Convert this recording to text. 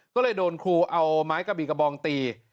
ก็เลยโดนครูเอาไม้กระบี่กระบองตี